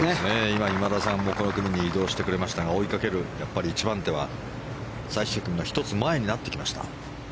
今、今田さんもこの組に移動してくれましたが追いかける一番手は最終組の１つ前になってきました。